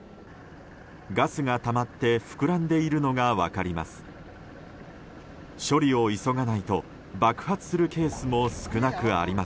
ガスがたまって膨らんでいるのが分かります。